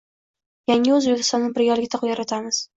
Yangi O‘zbekistonni birgalikda yaratamiz